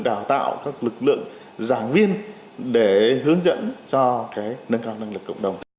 đào tạo các lực lượng giảng viên để hướng dẫn cho nâng cao năng lực cộng đồng